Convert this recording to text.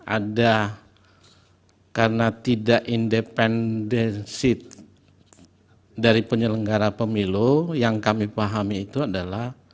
ada karena tidak independensit dari penyelenggara pemilu yang kami pahami itu adalah